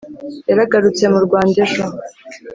yaragarutse mu rwanda ejo